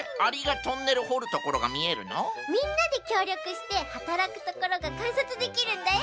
みんなできょうりょくしてはたらくところがかんさつできるんだよ。